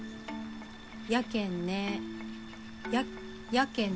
やけんねややけんね。